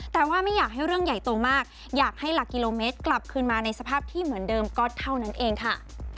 แต่ว่าไม่อยากให้เรื่องใหญ่โตมากอยากให้หลักกิโลเมตรกลับคืนมาในสภาพที่เหมือนเดิมก็เท่านั้นเองค่ะ